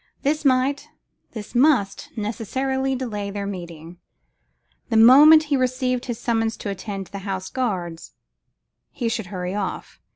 This might, this must, necessarily delay their meeting. The moment he received his summons to attend the Horse Guards, he should hurry off.